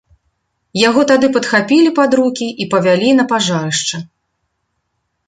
Яго тады падхапілі пад рукі і павялі на пажарышча.